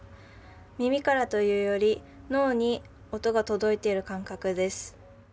耳からというより脳に音が届いている感覚です。